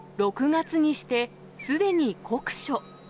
６月にして、すでに酷暑。